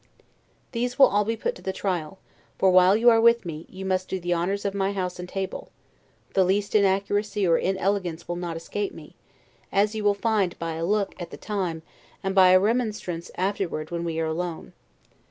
These will be all put to the trial; for while you are with me, you must do the honors of my house and table; the least inaccuracy or inelegance will not escape me; as you will find by a LOOK at the time, and by a remonstrance afterward when we are alone.